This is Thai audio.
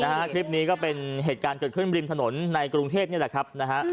คลิปนี้ก็เป็นเหตุการณ์เกิดขึ้นริมถนนในกรุงเทพนี่แหละครับนะฮะ